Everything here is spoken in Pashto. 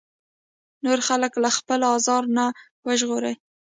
نور خلک له خپل ازار نه وژغوري.